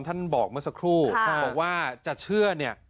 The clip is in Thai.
ท่านบอกเมื่อสักครู่บอกว่าจะเชื่อเนี่ย